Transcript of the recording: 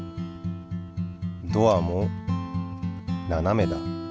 ドアもななめだ。